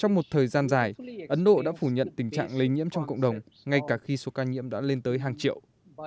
trong một thời gian dài ấn độ đã phủ nhận tình trạng lây nhiễm trong cộng đồng ngay cả khi số ca nhiễm đã lên tới hàng triệu